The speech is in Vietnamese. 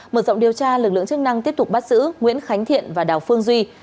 mở rộng điều tra lực lượng chức năng tiếp tục bắt giữ nguyễn khánh thiện và đào phương duy